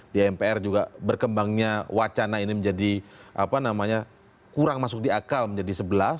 di mpr juga berkembangnya wacana ini menjadi kurang masuk di akal menjadi sebelas